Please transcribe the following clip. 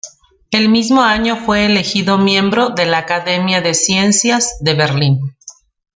El mismo año fue elegido miembro de la Academia de Ciencias de Berlín.